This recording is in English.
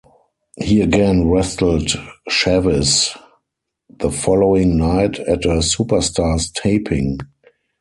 He again wrestled Chavis the following night at a Superstars taping.